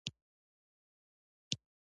تورن خپل ورغوی وغوړوی.